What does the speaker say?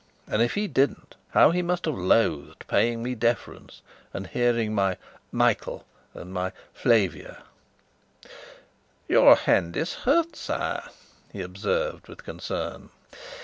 And, if he didn't, how he must have loathed paying me deference, and hearing my "Michael" and my "Flavia!" "Your hand is hurt, sire," he observed, with concern.